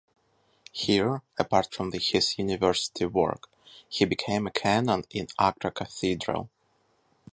Here, apart from his university work he became a canon in Accra cathedral.